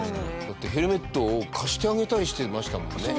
だってヘルメットを貸してあげたりしてましたもんね。